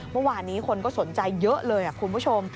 เมื่อวานนี้คนก็สนใจเยอะเลยคุณผู้ชม